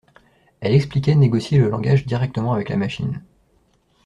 Elle expliquait négocier le langage directement avec la machine.